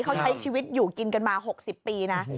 เขาใช้ชีวิตอยู่กินกันมา๖๐ปีนะ